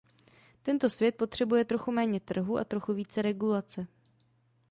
Tento svět potřebuje trochu méně trhu a trochu více regulace.